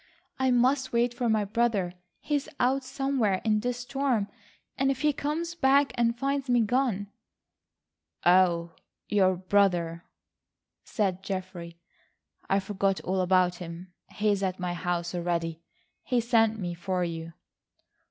"I must wait for my brother. He's out somewhere in this storm, and if he comes back and finds me gone—" "Oh, your brother," said Geoffrey, "I forgot all about him. He's at my house already. He sent me for you."